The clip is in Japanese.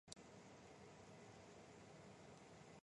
人間は考える葦である